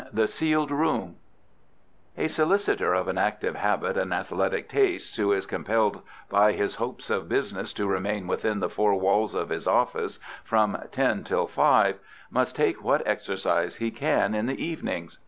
THE SEALED ROOM A solicitor of an active habit and athletic tastes who is compelled by his hopes of business to remain within the four walls of his office from ten till five must take what exercise he can in the evenings.